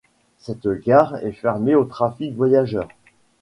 Cette gare est fermée au trafic voyageurs.